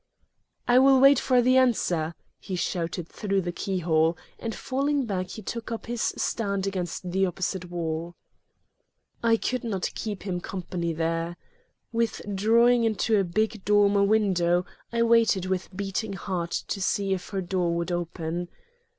"I will wait for the answer," he shouted through the keyhole, and falling back he took up his stand against the opposite wall. I could not keep him company there. Withdrawing into a big dormer window, I waited with beating heart to see if her door would open.